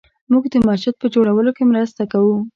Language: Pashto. موږ د مسجد په جوړولو کې مرسته کوو